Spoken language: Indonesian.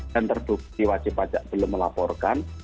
dan terbukti wajib pajak belum melaporkan